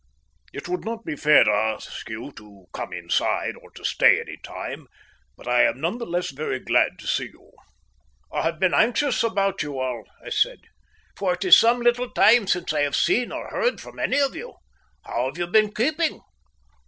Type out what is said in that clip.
It would not be fair to you to ask you to come inside or to stay any time, but I am none the less very glad to see you." "I have been anxious about you all," I said, "for it is some little time since I have seen or heard from any of you. How have you all been keeping?"